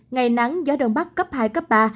ngày nắng gió đông bắc cấp hai cấp ba